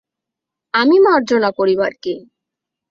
আমি মার্জনা করিবার কে?